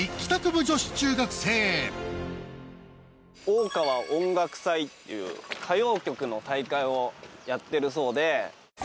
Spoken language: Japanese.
大川音楽祭っていう歌謡曲の大会をやってるそうで。